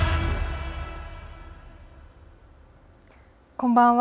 こんばんは。